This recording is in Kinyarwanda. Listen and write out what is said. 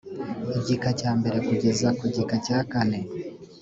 igika cya mbere kugeza ku gika cya kane